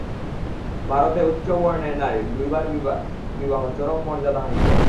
ভারতে উচ্চবর্ণের নারীর দুইবার বিবাহ চরম মর্যাদাহানিকর।